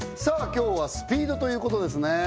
今日はスピードということですね